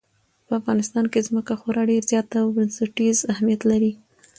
په افغانستان کې ځمکه خورا ډېر زیات او بنسټیز اهمیت لري.